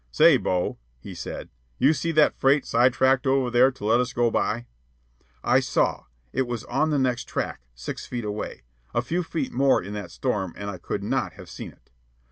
"Say, Bo," he said, "you see that freight side tracked over there to let us go by?" I saw. It was on the next track, six feet away. A few feet more in that storm and I could not have seen it.